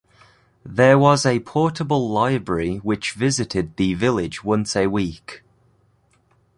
There was a portable library which visited the village once a week.